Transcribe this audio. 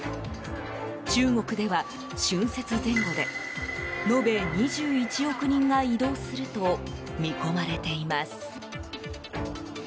中国では春節前後で延べ２１億人が移動すると見込まれています。